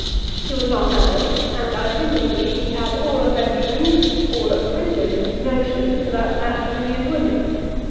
He was not married, and I soon perceived he had all a Frenchman's, all a Parisian's notions about matrimony and women.